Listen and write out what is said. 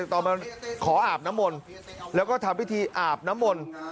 ตอนมาขออาบน้ำมนต์แล้วก็ทำพิธีอาบน้ำมนต์